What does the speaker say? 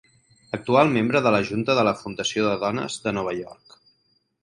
Actual membre de la junta de la Fundació de Dones de Nova York.